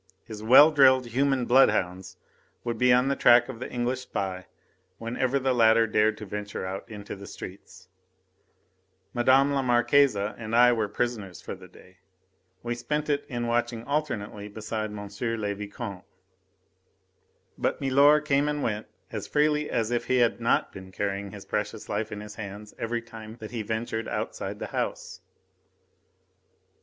His well drilled human bloodhounds would be on the track of the English spy, whenever the latter dared to venture out into the streets. Mme. la Marquise and I were prisoners for the day. We spent it in watching alternately beside M. le Vicomte. But milor came and went as freely as if he had not been carrying his precious life in his hands every time that he ventured outside the house.